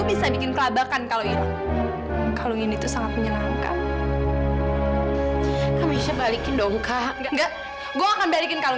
bisa bikin kelabakan kalau itu sangat menyenangkan kamu balikin dong kak nggak gua akan balikin kalau